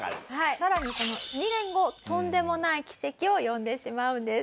さらにその２年後とんでもない奇跡を呼んでしまうんです。